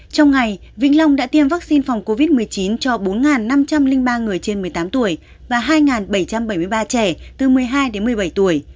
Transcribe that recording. trong ngày vĩnh long đã tiêm vaccine phòng covid một mươi chín cho bốn năm trăm linh ba người trên một mươi tám tuổi và hai bảy trăm bảy mươi ba trẻ từ một mươi hai đến một mươi bảy tuổi